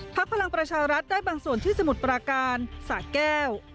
พลังประชารัฐได้บางส่วนที่สมุทรปราการสะแก้ว